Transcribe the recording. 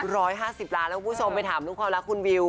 ๑๕๐ล้านทั้งคู่ผู้ชมไปถามลูกความรักคุณวิว